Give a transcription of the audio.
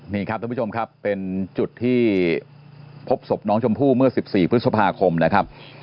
นี่ครับท่านผู้ชมครับเป็นจุดที่พบศพน้องชมพู่เมื่อ๑๔พฤษภาคมนะครับ